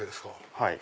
はい。